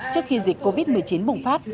trước khi dịch covid một mươi chín bùng phát